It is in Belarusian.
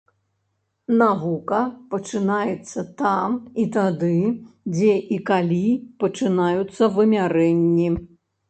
Навука пачынаецца там і тады, дзе і калі пачынаюцца вымярэнні.